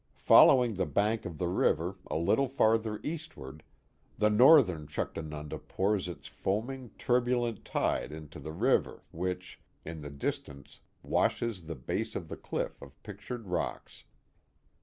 Following the bank of the river a little farther eastward, the northern Chuctanunda pours its foaming, turbulent tide into the river which, in the distance, washes the base of the clifl of pictured rocks.